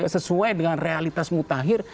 sesuai dengan realitas mutakhir